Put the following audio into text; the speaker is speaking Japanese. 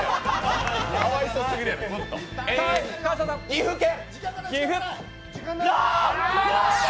岐阜県。